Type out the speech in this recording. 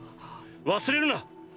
忘れるな！